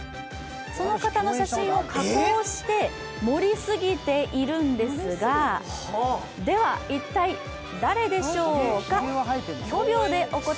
その方の写真を加工して盛りすぎているんですが、一体誰でしょうか？